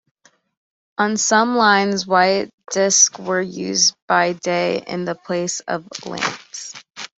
On some lines white discs were used by day in the place of lamps.